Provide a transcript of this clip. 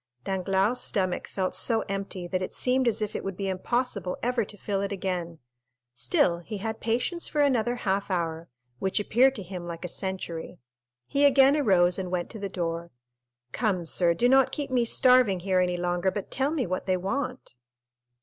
Danglars' stomach felt so empty, that it seemed as if it would be impossible ever to fill it again; still he had patience for another half hour, which appeared to him like a century. He again arose and went to the door. "Come, sir, do not keep me starving here any longer, but tell me what they want."